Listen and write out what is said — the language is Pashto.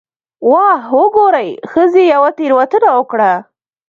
'واه وګورئ، ښځې یوه تېروتنه وکړه'.